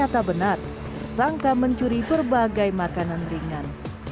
tersangka mencuri berbagai makanan ringan